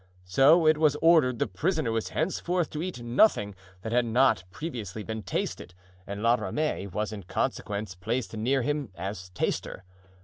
So it was ordered the prisoner was henceforth to eat nothing that had not previously been tasted, and La Ramee was in consequence placed near him as taster.